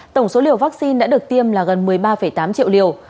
tổng số liều vaccine đã được tiêm là gần một mươi ba tám triệu liều